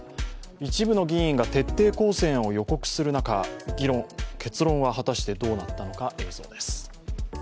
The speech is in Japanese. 一部の議員が徹底抗戦を予告する中、結論はどうなってのか、映像です。